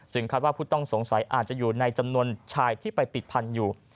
คาดว่าผู้ต้องสงสัยอาจจะอยู่ในจำนวนชายที่ไปติดพันธุ์อยู่